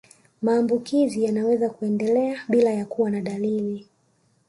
Maambukizi yanaweza kuendelea bila ya kuwa na dalili